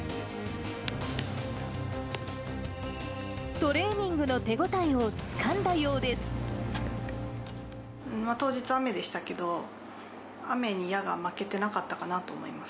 トレーニングの手応えをつかんだ当日、雨でしたけど、雨に矢が負けてなかったかなと思います。